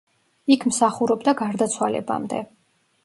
იქ მსახურობდა გარდაცვალებამდე.